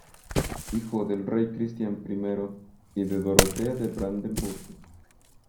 Hijo del rey Cristián I y de Dorotea de Brandeburgo.